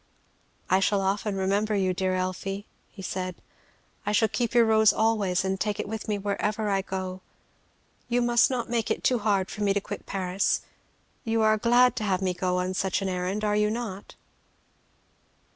"I shall often remember you, dear Elfie," he said; "I shall keep your rose always and take it with me wherever I go. You must not make it too hard for me to quit Paris you are glad to have me go on such an errand, are you not?"